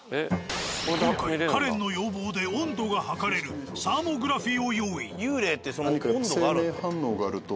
今回カレンの要望で温度が測れるサーモグラフィーを用意。